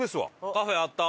カフェあった！